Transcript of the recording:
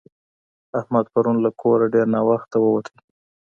احمد پرون له کوره ډېر ناوخته ووتلی.